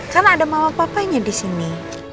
kan ada mama papa nya disini